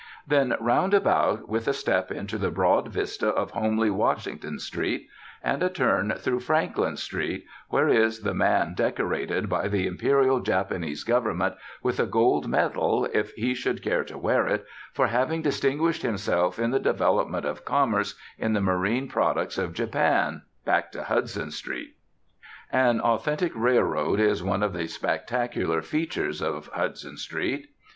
Then roundabout, with a step into the broad vista of homely Washington Street, and a turn through Franklin Street, where is the man decorated by the Imperial Japanese Government with a gold medal, if he should care to wear it, for having distinguished himself in the development of commerce in the marine products of Japan, back to Hudson Street. An authentic railroad is one of the spectacular features of Hudson Street.